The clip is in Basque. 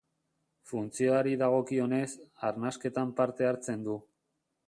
Funtzioari dagokionez, arnasketan parte hartzen du.